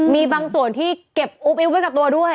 มีบางส่วนที่เก็บอุ๊บอิ๊บไว้กับตัวด้วย